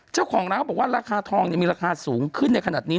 เจ้าของร้านเขาบอกว่าราคาทองมีราคาสูงขึ้นในขณะนี้